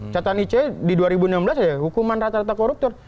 catatan ic di dua ribu enam belas saja hukuman rata rata koruptor